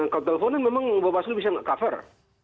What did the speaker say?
kalau teleponnya memang bawaslu bisa cover